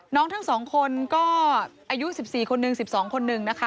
ทั้ง๒คนก็อายุ๑๔คนหนึ่ง๑๒คนหนึ่งนะคะ